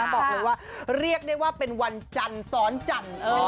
บอกเลยว่าเรียกได้ว่าเป็นวันจันทร์ซ้อนจันทร์